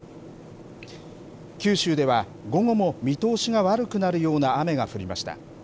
九州では、午後も見通しが悪くなるような雨が降りました。